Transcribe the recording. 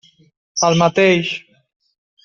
El mateix.